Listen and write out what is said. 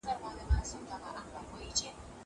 مېوې د زهشوم له خوا خورل کيږي!